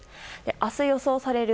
明日予想される